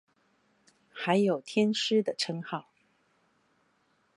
還有天師的稱號